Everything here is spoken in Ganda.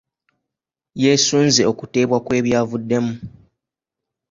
Yeesunze okuteebwa kw'ebyavuddemu.